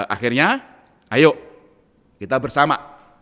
akhirnya ayo kita bersama